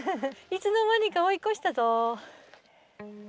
いつの間にか追い越したぞ。